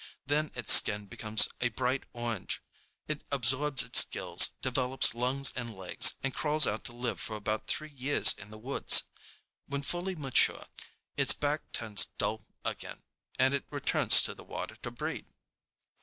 Then its skin becomes a bright orange, it absorbs its gills, develops lungs and legs, and crawls out to live for about three years in the woods. When fully mature, its back turns dull again, and it returns to the water to breed.